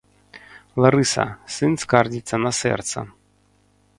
Ларыса, сын скардзіцца на сэрца.